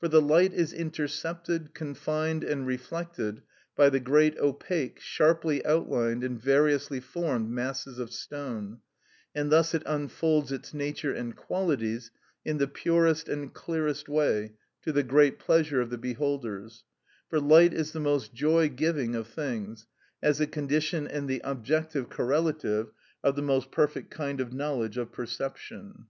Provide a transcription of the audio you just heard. For the light is intercepted, confined, and reflected by the great opaque, sharply outlined, and variously formed masses of stone, and thus it unfolds its nature and qualities in the purest and clearest way, to the great pleasure of the beholders, for light is the most joy giving of things, as the condition and the objective correlative of the most perfect kind of knowledge of perception.